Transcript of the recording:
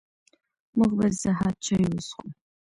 موږ به د سهار چاي وڅښو